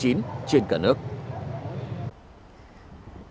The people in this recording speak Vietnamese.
tiếp tục với cùng thông tin